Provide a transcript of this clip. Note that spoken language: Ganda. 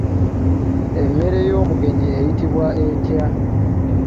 Emmere y'omugenyi eyitibwa etya?